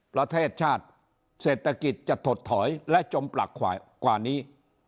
ประเทศชาติเศรษฐกิจจะถดถอยและจมปลักกว่านี้